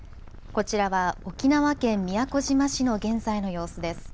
こちらは沖縄県宮古島市の現在の様子です。